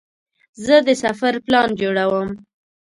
زه د سفر پلان جوړوم.